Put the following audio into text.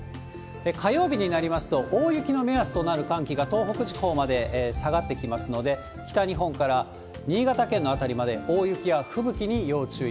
火曜日になりますと、大雪の目安となる寒気が東北地方まで下がってきますので、北日本から新潟県の辺りまで、大雪や吹雪に要注意。